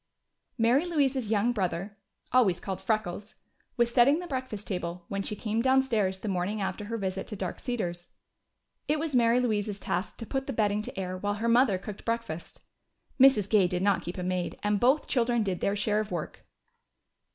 Mary Louise's young brother always called "Freckles" was setting the breakfast table when she came downstairs the morning after her visit to Dark Cedars. It was Mary Louise's task to put the bedding to air while her mother cooked breakfast. Mrs. Gay did not keep a maid, and both children did their share of the work.